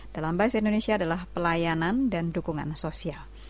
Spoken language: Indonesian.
dalam bahasa indonesia adalah pelayanan dan dukungan sosial